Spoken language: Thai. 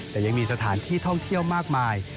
แต่ยังมีสถานที่ท่องเที่ยวมากมาย